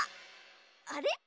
あれ？